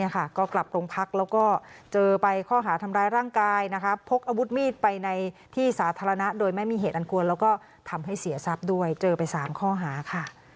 ก็กลับลงพัก